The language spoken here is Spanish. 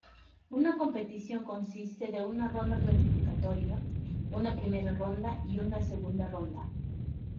Una competición consiste de una ronda clasificatoria, una primera ronda y una segunda ronda.